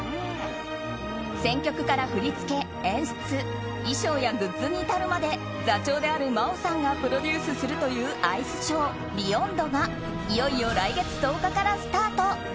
選曲から振り付け、演出衣装やグッズに至るまで座長である真央さんがプロデュースするというアイスショー「ＢＥＹＯＮＤ」がいよいよ来月１０日からスタート。